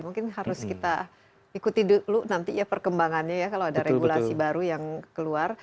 mungkin harus kita ikuti dulu nanti ya perkembangannya ya kalau ada regulasi baru yang keluar